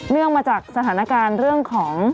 เนื่องมาจากสถานการณ์เรื่องของ